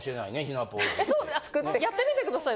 やってみてください。